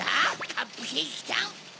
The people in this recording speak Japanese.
カップケーキちゃん。